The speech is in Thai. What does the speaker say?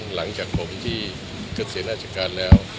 หลังจากผมที่เกษียณราชการแล้ว